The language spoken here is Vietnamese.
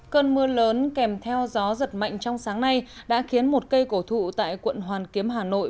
cơn mưa lớn kèm theo gió giật mạnh trong sáng nay đã khiến một cây cổ thụ tại quận hoàn kiếm hà nội